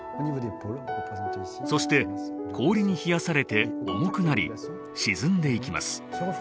そして氷に冷やされて重くなり沈んでいきます。